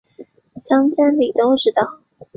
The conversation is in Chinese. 乡里间都知道